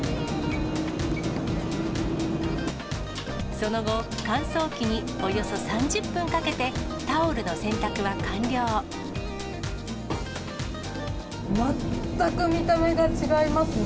その後、乾燥機におよそ３０分かけて、全く見た目が違いますね。